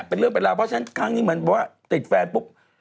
เป็นเรื่องเป็นราวเพราะฉะนั้นครั้งนี้เหมือนว่าติดแฟนปุ๊บ